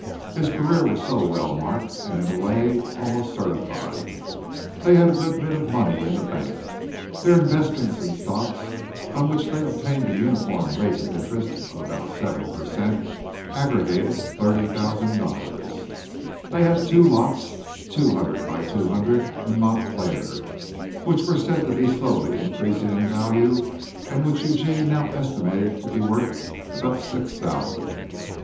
His career was so well marked and in a way almost certified. They had a good bit of money in the bank. Their investments in stocks, on which they obtained a uniform rate of interest of about seven per cent., aggregated $30,000. They had two lots, two hundred by two hundred, in Montclair, which were said to be slowly increasing in value and which Eugene now estimated to be worth about six thousand.